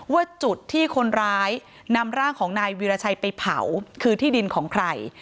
ว่าจุดที่คนร้ายนำร่างของนายวีรชัยไปเผาคือที่ดินของใคร